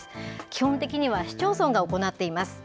基本的には市町村が行っています。